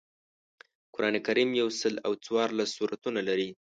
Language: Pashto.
قران کریم یوسل او څوارلس سورتونه لري